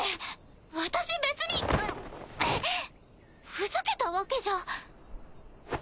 ふざけたわけじゃ。